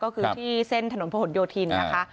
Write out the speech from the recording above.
ก็คือที่เส้นถนนผนโยธินณค่ะ